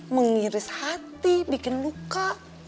mengiris hati bikin luka